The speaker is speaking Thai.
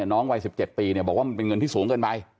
น้องวัย๑๗ปีบอกว่ามันเป็นเงินที่สูงเกินไป